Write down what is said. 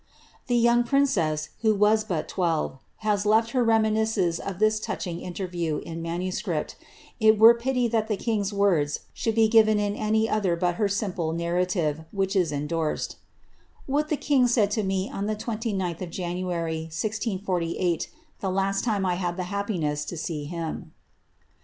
The young princess, who was but twelve, has left ber leminisei of this touching interview in manuscript ; it were pity that the 1 words should be given in any other but her simple narrative, whi endorsed, ^What the king said tome on the 29th of January^ 164( last time I had the happiness to see Atm.